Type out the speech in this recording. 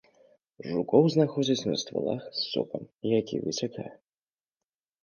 Жукоў знаходзяць на ствалах з сокам, які выцякае.